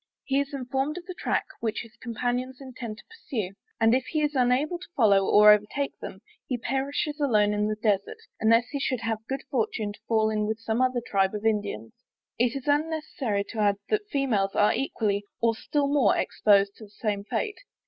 He is informed of the track which his companions intend to pursue, and if he is unable to follow, or overtake them, he perishes alone in the Desart; unless he should have the good fortune to fall in with some other Tribes of Indians. It is unnecessary to add that the females are equally, or still more, exposed to the same fate.